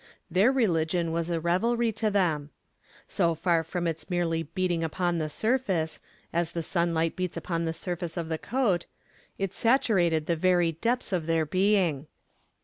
Their religion was a revelry to them. So far from its merely beating upon the surface, as the sunlight beats upon the surface of the coat, it saturated the very depths of their being.